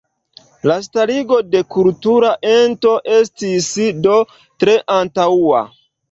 La starigo de kultura ento estis do tre antaŭa.